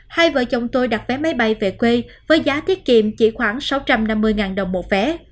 hai vợ chồng tôi đặt vé máy bay về quê với giá thiết kiệm chỉ khoảng sáu trăm năm mươi đồng một vé